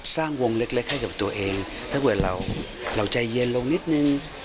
สร้างวงเล็กให้กับตัวเองถ้าเกิดเราใจเย็นลงนิดนึง